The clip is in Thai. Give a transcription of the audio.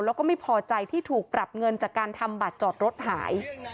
แล้วก็ไม่พอใจที่ถูกปรับเงินจากการทำบัตรจอดรถหาย